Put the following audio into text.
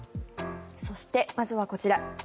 そして、まずはこちら。